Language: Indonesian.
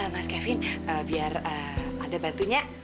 mas kevin biar ada bantunya